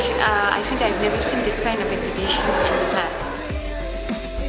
saya tidak pernah melihat pembentangan seperti ini di dunia